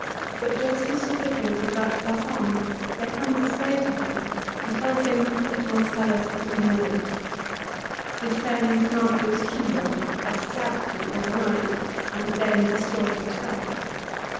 But just as Sulpicius is about to pass on there comes a slave to him who tells him that Marcellus has been murdered. His friend Magius Chilo had stabbed him overnight, and had then destroyed himself.